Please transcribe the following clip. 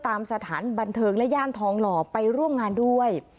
สถานบันเทิงและย่านทองหล่อไปร่วมงานด้วย